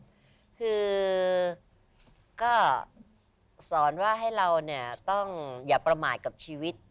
คือก็สอนว่าให้เราเนี่ยต้องอย่าประมาทกับชีวิต